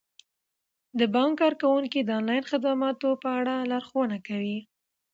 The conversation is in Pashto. د بانک کارکوونکي د انلاین خدماتو په اړه لارښوونه کوي.